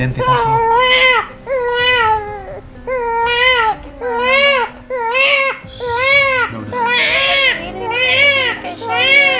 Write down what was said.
ini kuanya kayak enggak deh